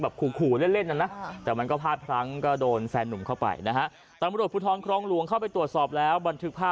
แค่ถือมีดเฉยแล้วเขาก็เลยเข้ามาปล่อยหนู